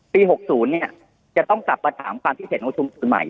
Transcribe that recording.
ปี๖๐เนี่ยจะต้องกลับมาถามความพิเศษของชุมศูนย์ใหม่